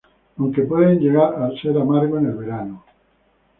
Aunque, pueden llegar a ser amargo en el verano.